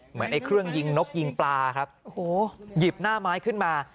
เหมือนไอ้เครื่องยิงนกยิงปลาครับโอ้โหหยิบหน้าไม้ขึ้นมา